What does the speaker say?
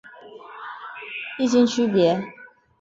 异腈区别。